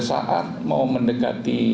saat mau mendekati